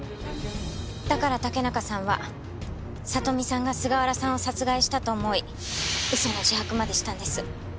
だから竹中さんは里美さんが菅原さんを殺害したと思い嘘の自白までしたんです。